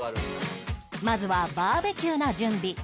まずはバーベキューの準備